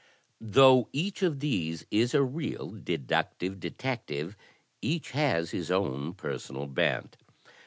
Though each of these is a real deductive detective, each has his own personal bent.